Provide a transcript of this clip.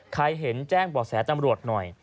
ใครเห็นแจ้งบ่อแสตำรวจหน่อย